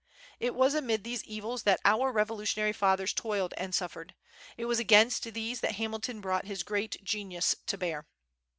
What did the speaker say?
It was amid these evils that our Revolutionary fathers toiled and suffered. It was against these that Hamilton brought his great genius to bear.